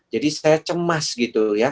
jadi saya cemas gitu ya